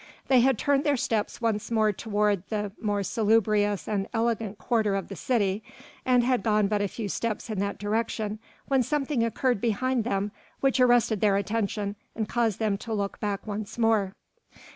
They had turned their steps once more toward the more salubrious and elegant quarter of the city, and had gone but a few steps in that direction when something occurred behind them which arrested their attention and caused them to look back once more.